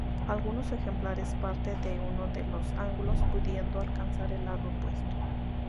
Algunos ejemplares parten de uno de los ángulos pudiendo alcanzar el lado opuesto.